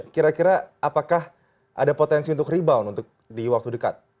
kira kira apakah ada potensi untuk rebound di waktu dekat